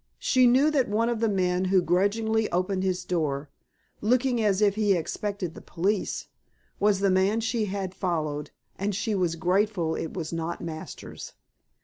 She knew that one of the men who grudgingly opened his door looking as if he expected the police was the man she had followed, and she was grateful that it was not Masters.